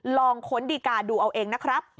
ค้นดีการ์ดูเอาเองนะครับ